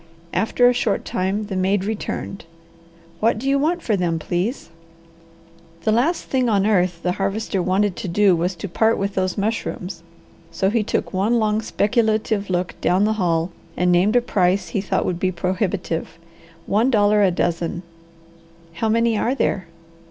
After a short time the maid returned. "What do you want for them, please?" The last thing on earth the Harvester wanted to do was to part with those mushrooms, so he took one long, speculative look down the hall and named a price he thought would be prohibitive. "One dollar a dozen." "How many are there?"